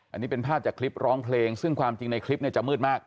อันนี้เป็นภาพจากคลิปร้องเพลงซึ่งความจริงในคลิปเนี่ยจะมืดมาก